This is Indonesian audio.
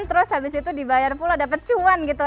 terus habis itu dibayar pulang dapet cuan gitu